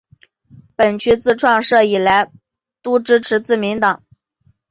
本区自创设以来都支持自民党。